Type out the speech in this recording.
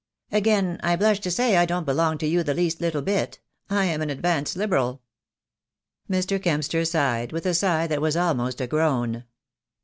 "Again I blush to say I don't belong to you the least little bit. I am an advanced Liberal." Mr. Kempster sighed, with a sigh that was almost a groan.